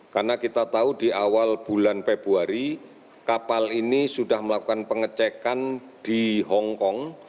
karena kita tahu di awal bulan februari kapal ini sudah melakukan pengecekan di hong kong